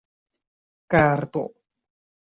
karto